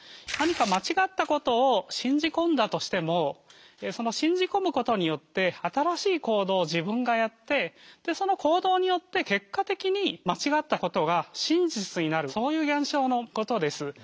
何か間違ったことを信じ込んだとしてもその信じ込むことによって新しい行動を自分がやってその行動によって結果的に間違ったことが真実になるそういう現象のことです。